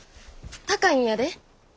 高いんやで。